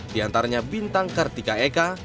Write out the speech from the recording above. di antaranya bintang kartika eka